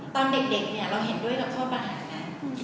ตอนเด็กเนี่ยเราเห็นด้วยโทษประหารได้